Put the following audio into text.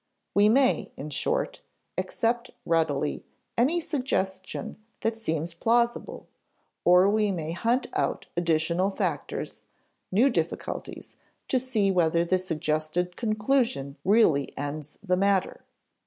We may, in short, accept readily any suggestion that seems plausible; or we may hunt out additional factors, new difficulties, to see whether the suggested conclusion really ends the matter.